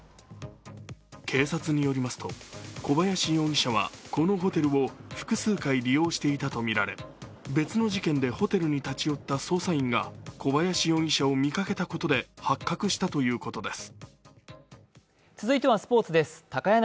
警察によりますと、小林容疑者はこのホテルを複数回利用していたとみられ別の事件でホテルに立ち寄った捜査員が小林容疑者を見かけたことで発覚したということです。